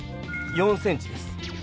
４ｃｍです。